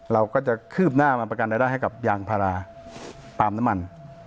เราก็จะคืบหน้ามาประกันรายได้ให้กับยางพาราปาล์มน้ำมัน